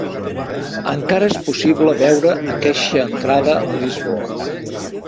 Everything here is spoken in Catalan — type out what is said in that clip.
Encara és possible veure aqueixa entrada a Lisboa.